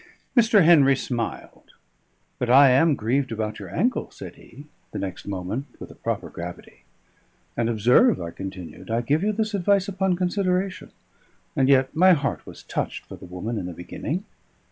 Mr. Henry smiled. "But I am grieved about your ankle," said he the next moment, with a proper gravity. "And observe," I continued, "I give you this advice upon consideration; and yet my heart was touched for the woman in the beginning."